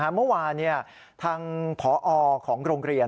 เมื่อวานทางผอของโรงเรียน